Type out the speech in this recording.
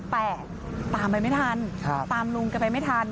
แต่ตามไปไม่ทันตามลุงแกไปไม่ทัน